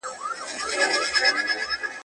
گوجر ته بوره ښه ده.